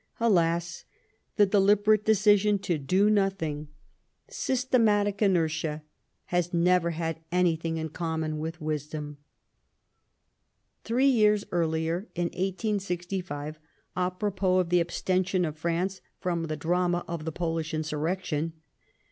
Alas ! the deliberate decision to do nothing, systematic 107 Bismarck inertia, has never had anything in common with wisdom. Three years earher, in 1865, a propos of the abstention of France from the drama of the PoHsh insurrection.